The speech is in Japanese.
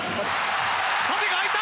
縦が空いた！